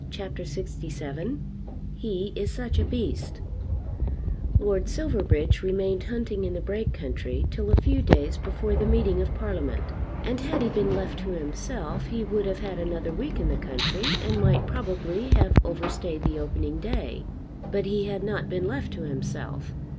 CHAPTER LXVII "He Is Such a Beast" Lord Silverbridge remained hunting in the Brake country till a few days before the meeting of Parliament, and had he been left to himself he would have had another week in the country and might probably have overstayed the opening day; but he had not been left to himself.